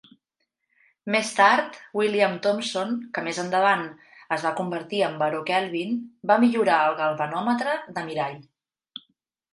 Més tard, William Thomson, que més endavant es va convertir en baró Kelvin, va millorar el galvanòmetre de mirall.